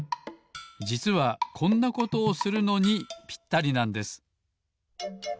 じつはこんなことをするのにぴったりなんです。